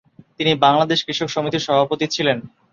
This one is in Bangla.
তিনি বাংলাদেশ কৃষক সমিতির সভাপতি ছিলেন।